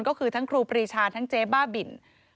ก็คือทั้งครูปรีชาทั้งเจ๊บ้าบิน